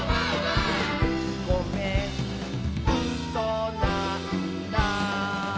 「ごめんうそなんだ」